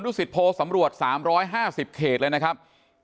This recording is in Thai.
สิตโพสำรวจ๓๕๐เขตเลยนะครับ